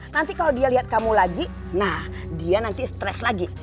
nanti kalau dia lihat kamu lagi nah dia nanti stres lagi